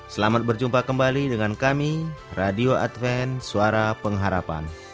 selamat berjumpa kembali dengan kami radio adven suara pengharapan